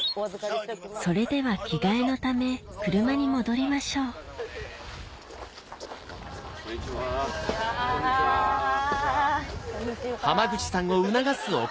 それでは着替えのため車に戻りましょうこんにちは。